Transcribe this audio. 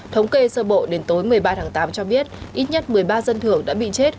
thống kê sơ bộ đến tối một mươi ba tháng tám cho biết ít nhất một mươi ba dân thưởng đã bị chết